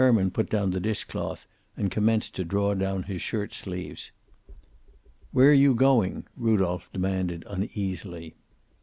Herman put down the dish cloth and commenced to draw down his shirt sleeves. "Where you going?" Rudolph demanded uneasily.